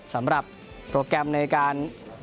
สำหรับโปรแกรมในการ